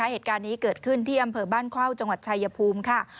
เหตุการณ์นี้เกิดขึ้นที่อำเภอบ้านเข้าจังหวัดชายภูมิค่ะ